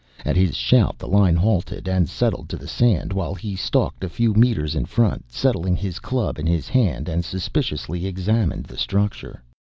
At his shout the line halted and settled to the sand while he stalked a few meters in front, settling his club in his hand and suspiciously examined the structure.